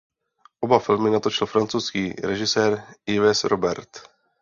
Oba filmy natočil francouzský režisér Yves Robert.